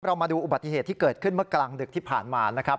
มาดูอุบัติเหตุที่เกิดขึ้นเมื่อกลางดึกที่ผ่านมานะครับ